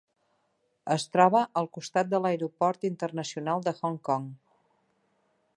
Es troba al costat de l'Aeroport Internacional de Hong Kong.